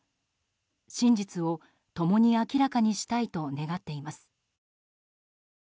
真実を共に明らかにしたいと願っています。